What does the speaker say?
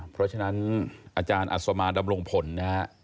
เพราะฉะนั้นอาจารย์อัศมานดำรงผลนะฮะ